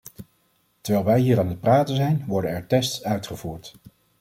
Terwijl wij hier aan het praten zijn, worden er tests uitgevoerd.